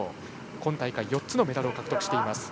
今大会４つのメダルを獲得しています。